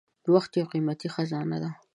• وخت یو قیمتي خزانه ده.